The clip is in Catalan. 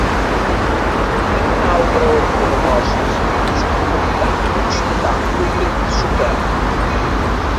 En un altre ordre de coses, és important constatar l’oblit sofert.